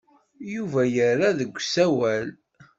Yuba yerra deg usawal.